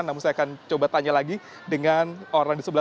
namun saya akan coba tanya lagi dengan orang di sebelah